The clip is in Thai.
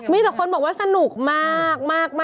มีแต่คนบอกว่าสนุกมาก